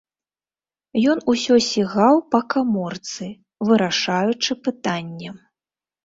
Ён усё сігаў па каморцы, вырашаючы пытанне.